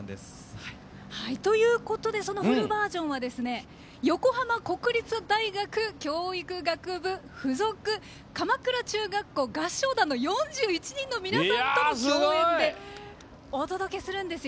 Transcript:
ということで春バージョンは横浜国立大学教育学部附属鎌倉中学校合唱団の４１人の合唱団の皆さんとお届けします。